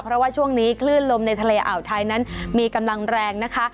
เพราะว่าช่วงนี้คลื่นลมในทะเลอ่าวไทยนั้นมีกำลังแรงนะคะ